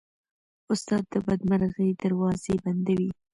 استاد د بدمرغۍ دروازې بندوي.